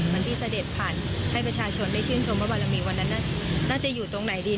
วันที่เสด็จผ่านให้ประชาชนได้ชื่นชมว่าบารมีวันนั้นน่าจะอยู่ตรงไหนดี